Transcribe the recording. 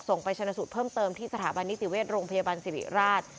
ไปชนะสูตรเพิ่มเติมที่สถาบันนิติเวชโรงพยาบาลสิริราช